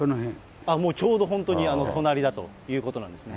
もうちょうど本当に隣だということなんですね。